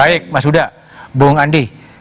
baik mas huda bung andi